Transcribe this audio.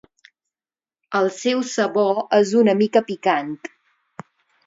El seu sabor és una mica picant.